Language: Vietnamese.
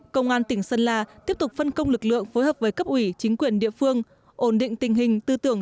công an tỉnh sơn la tiếp tục phân công lực lượng phối hợp với cấp ủy chính quyền địa phương